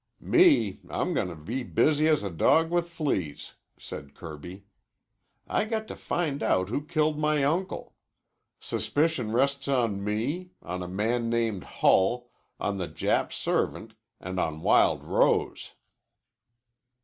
"Me, I'm gonna be busy as a dog with fleas," said Kirby. "I got to find out who killed my uncle. Suspicion rests on me, on a man named Hull, on the Jap servant, an' on Wild Rose."